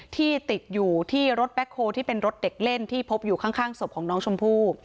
ที่ติดอยู่ที่รถแบ็คโฮที่เป็นรถเด็กเล่นที่พบอยู่ข้างศพของน้องชมพู่